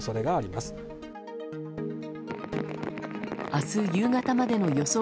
明日夕方までの予想